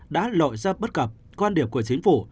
đã lội ra bất cập quan điểm của chính phủ